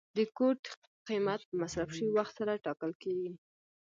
د کوټ قیمت په مصرف شوي وخت سره ټاکل کیږي.